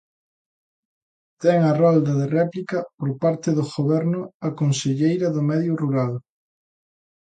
Ten a rolda de réplica por parte do Goberno a conselleira do Medio Rural.